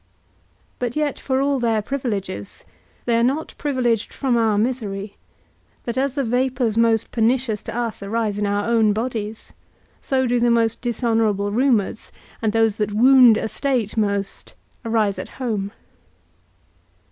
But yet for all their privileges, they are not privileged from our misery; that as the vapours most pernicious to us arise in our own bodies, so do the most dishonourable rumours, and those that wound a state most arise at home.